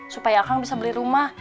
supaya kang bisa beli rumah